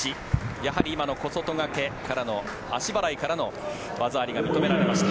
やはり今の小外刈りからの足払いからの技ありが認められました。